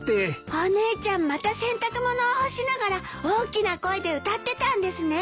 お姉ちゃんまた洗濯物を干しながら大きな声で歌ってたんですね。